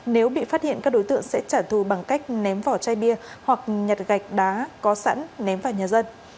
nếu bị phát hiện các đối tượng sẽ trả thù bằng cách ném vỏ chai bia hoặc nhặt gạch đá có sẵn ném vào nhà dân